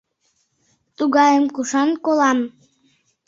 Тугайым кушан колам?